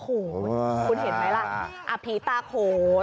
คุณเห็นไหมล่ะผีตาโขน